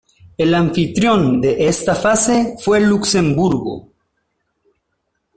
El anfitrión de esta fase fue Luxemburgo